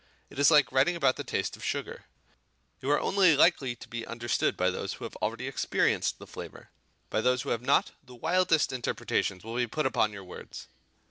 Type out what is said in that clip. It is like writing about the taste of sugar, you are only likely to be understood by those who have already experienced the flavour; by those who have not, the wildest interpretation will be put upon your words.